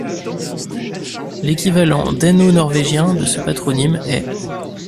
L'équivalent dano-norvégien de ce patronyme est .